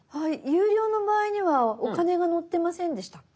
有料の場合にはお金が載ってませんでしたっけ？